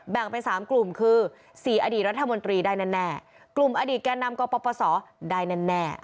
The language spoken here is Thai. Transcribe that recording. ไป๓กลุ่มคือ๔อดีตรัฐมนตรีได้แน่กลุ่มอดีตแก่นำกปศได้แน่